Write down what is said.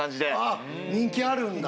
あっ人気あるんだ？